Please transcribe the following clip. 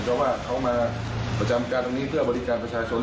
เพราะว่าเขามาประจำการตรงนี้เพื่อบริการประชาชน